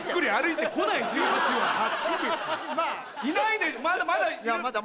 いないまだまだ。